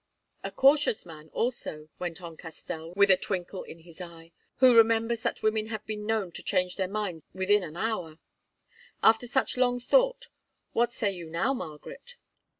"A cautious man also," went on Castell with a twinkle in his eye, "who remembers that women have been known to change their minds within an hour. After such long thought, what say you now, Margaret?"